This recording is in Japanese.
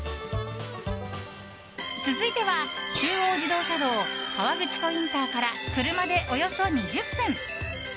続いては、中央自動車道河口湖ＩＣから車でおよそ２０分。